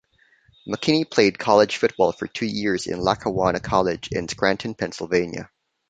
McKinnie played college football for two years at Lackawanna College in Scranton, Pennsylvania.